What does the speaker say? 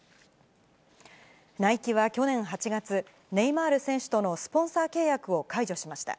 ナイキは去年８月、ネイマール選手とのスポンサー契約を解除しました。